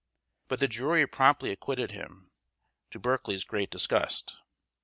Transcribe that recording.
But the jury promptly acquitted him, to Berkeley's great disgust.